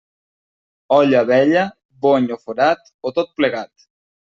Olla vella, bony o forat, o tot plegat.